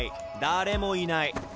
誰もいない。